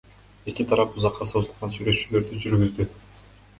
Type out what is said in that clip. Эки тарап узакка созулган сүйлөшүүлөрдү жүргүздү.